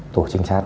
tổ trinh sát